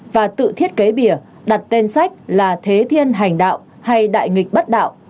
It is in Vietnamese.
và tự thiết kế bìa đặt tên sách là thế thiên hành đạo hay đại nghịch bất đạo